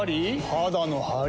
肌のハリ？